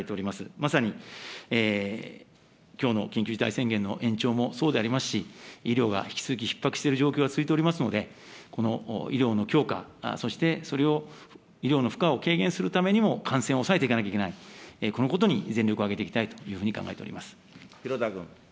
まさにきょうの緊急事態宣言の延長もそうでありますし、医療が引き続きひっ迫している状況が続いておりますので、この医療の強化、そしてそれを医療の負荷を軽減するためにも、感染を抑えていかなきゃいけない、このことに全力を挙げていきたい広田君。